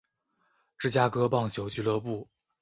芝加哥棒球俱乐部。